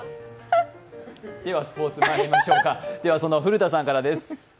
ではスポーツまいりましょうか、古田さんからです。